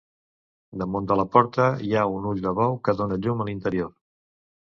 Damunt de la porta hi ha un ull de bou, que dóna llum a l'interior.